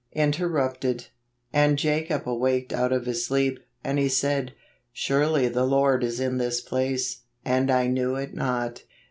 Interrupted. " And Jacob awaked out of his sleep, and he said. Surely the Lord is in this place; and I knew it not."